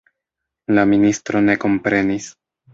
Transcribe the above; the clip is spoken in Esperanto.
La ministro ne komprenis.